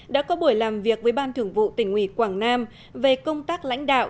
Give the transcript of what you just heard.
đã có buổi làm việc với ban thưởng vụ tỉnh ủy quảng nam về công tác lãnh đạo